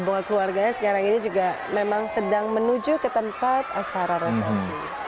bahwa keluarganya sekarang ini juga memang sedang menuju ke tempat acara resepsi